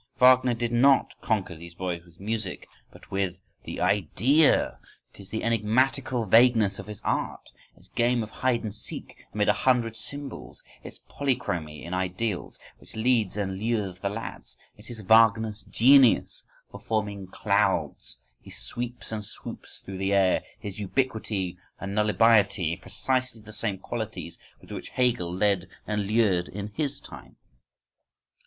Wagner did not conquer these boys with music, but with the "idea":—it is the enigmatical vagueness of his art, its game of hide and seek amid a hundred symbols, its polychromy in ideals, which leads and lures the lads. It is Wagner's genius for forming clouds, his sweeps and swoops through the air, his ubiquity and nullibiety—precisely the same qualities with which Hegel led and lured in his time!